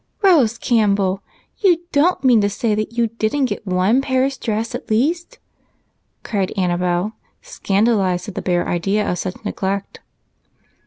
"Rose Campbell! You don't mean to say that you didn't get one Paris dress at least?" cried Annabel, scandalized at the bare idea of such neglect.